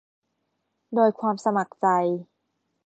โดยความสมัครใจ